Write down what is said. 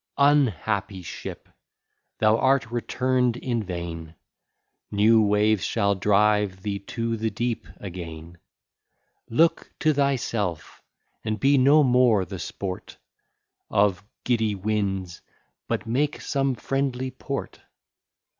Unhappy ship, thou art return'd in vain; New waves shall drive thee to the deep again. Look to thyself, and be no more the sport Of giddy winds, but make some friendly port.